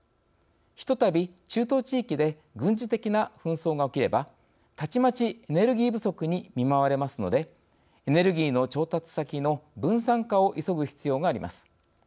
ひとたび中東地域で軍事的な紛争が起きればたちまちエネルギー不足に見舞われますのでエネルギーの調達先の分散化を急ぐ必要があります。